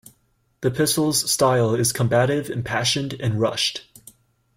The epistle's style is combative, impassioned, and rushed.